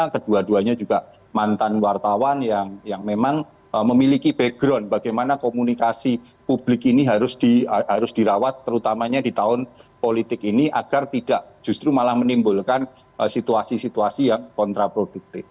kedua duanya juga mantan wartawan yang memang memiliki background bagaimana komunikasi publik ini harus dirawat terutamanya di tahun politik ini agar tidak justru malah menimbulkan situasi situasi yang kontraproduktif